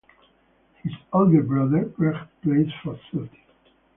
His older brother Greg plays for Celtic.